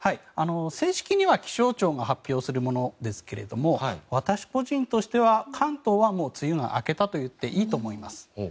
正式には気象庁が発表するものですけど私個人としては関東は梅雨が明けたといっていいと思います。